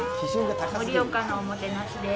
盛岡のおもてなしでーす。